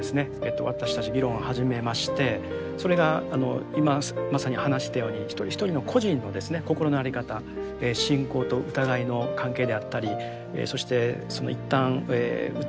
私たち議論を始めましてそれが今まさに話したように一人一人の個人の心の在り方信仰と疑いの関係であったりそして一旦疑いなき道を行った人がですね